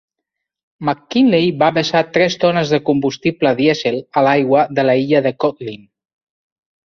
McKinley va vessar tres tones de combustible dièsel a l'aigua de l'illa de Kotlin.